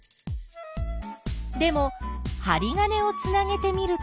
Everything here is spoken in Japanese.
でもはり金をつなげてみると？